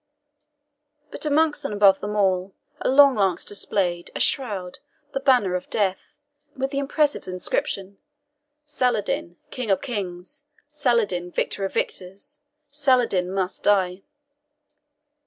But amongst and above them all, a long lance displayed a shroud, the banner of Death, with this impressive inscription "SALADIN, KING OF KINGS SALADIN, VICTOR OF VICTORS SALADIN MUST DIE."